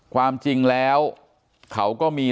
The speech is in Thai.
ความจริงแล้วเขาก็มี